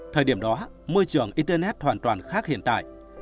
thời điểm đó môi trường internet hoàn toàn khác hiện tại